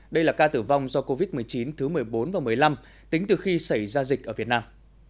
đây là ca tử vong do covid một mươi chín thứ một mươi bốn và một mươi năm tính từ khi xảy ra dịch ở việt nam